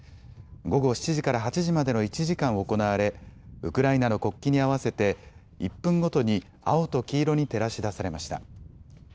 午後７時から８時までの１時間行われウクライナの国旗に合わせて１分ごとに青と黄色に照らし出されました。